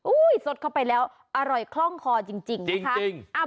สดเข้าไปแล้วอร่อยคล่องคอจริงนะคะ